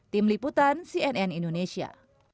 tim liputan cnn indonesia